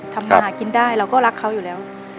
ทำมาหากินได้เราก็รักเขาอยู่แล้ว